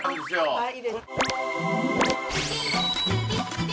はい。